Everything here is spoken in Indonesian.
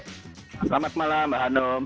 selamat malam mbak hanum